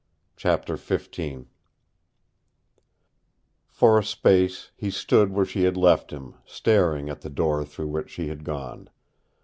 CHAPTER XV For a space he stood where she had left him, staring at the door through which she had gone.